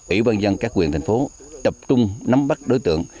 ủy ban nhân các quyền thành phố tập trung nắm bắt đối tượng